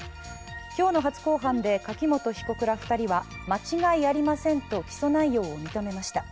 今日の初公判で柿本被告ら２人は間違いありませんと起訴内容を認めました。